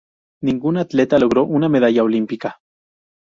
Ningún atleta logró una medalla olímpica.